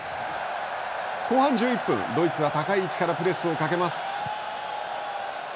後半１１分ドイツは高い位置からプレスをかけます。